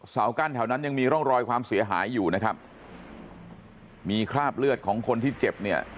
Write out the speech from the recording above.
กั้นแถวนั้นยังมีร่องรอยความเสียหายอยู่นะครับมีคราบเลือดของคนที่เจ็บเนี่ย